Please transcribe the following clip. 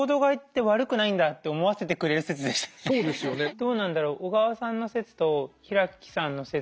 どうなんだろう。